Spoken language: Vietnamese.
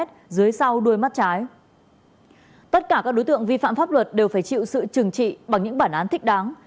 tất cả các đối tượng vi phạm pháp luật đều phải chịu sự trừng trị bằng những bản án thích đáng